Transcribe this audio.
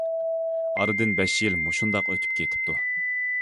ئارىدىن بەش يىل مۇشۇنداق ئۆتۈپ كېتىپتۇ.